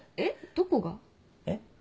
どこが？えっ？